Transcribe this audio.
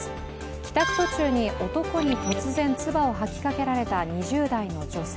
帰宅途中に男に突然唾を吐きかけられた２０代の女性。